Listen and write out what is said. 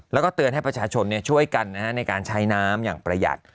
แล้วก็เตือนให้ประชาชนช่วยกันในการใช้น้ำอย่างประหยัด